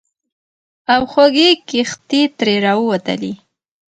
او خوږې کیښتې ترې راووتلې.